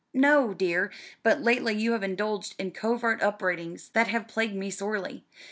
"No, dear; but lately you have indulged in covert upbraidings that have plagued me sorely.